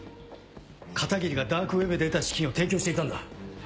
片桐がダークウェブで得た資金を提供していたんだ。